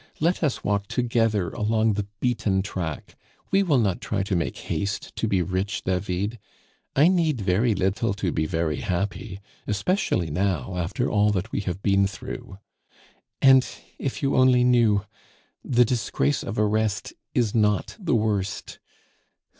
Let us walk together along the beaten track; we will not try to make haste to be rich, David.... I need very little to be very happy, especially now, after all that we have been through .... And if you only knew the disgrace of arrest is not the worst....